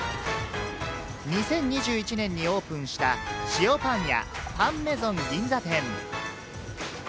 ２０２１年にオープンした、塩パン屋パン・メゾン銀座店。